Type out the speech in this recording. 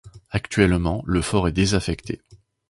Actuellement, le fort est désaffecté.